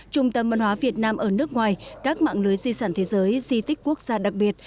trung tâm văn hóa việt nam ở nước ngoài các mạng lưới di sản thế giới di tích quốc gia đặc biệt